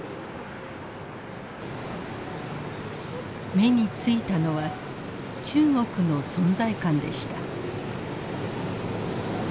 目についたのは中国の存在感でした。